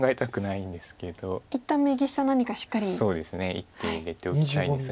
１手入れておきたいですが。